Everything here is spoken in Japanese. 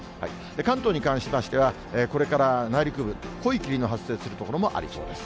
関東に関しましては、これから内陸部、濃い霧の発生する所もありそうです。